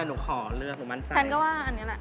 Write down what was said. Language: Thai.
หนูขอเลือกหนูมั่นใจฉันก็ว่าอันนี้แหละ